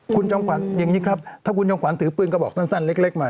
คุณจอมขวัญอย่างนี้ครับถ้าคุณจอมขวัญถือปืนกระบอกสั้นเล็กมา